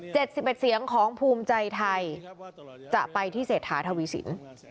เจ็ดสิบแบบเสียงของภูมิใจไทยจะไปที่เศรษฐาธาวิสิน